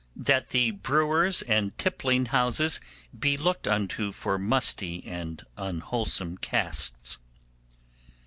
'That the brewers and tippling houses be looked into for musty and unwholesome casks.